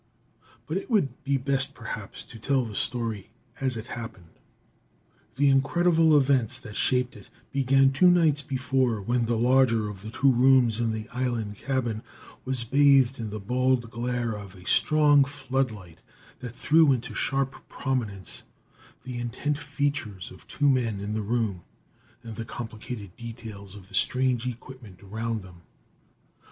But it would be best, perhaps, to tell the story as it happened. The incredible events that shaped it began two nights before, when the larger of the two rooms in the island cabin was bathed in the bald glare of a strong floodlight that threw into sharp prominence the intent features of two men in the room, and the complicated details of the strange equipment around them.